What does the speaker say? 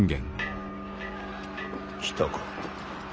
来たか。